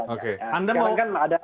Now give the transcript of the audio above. oke anda mau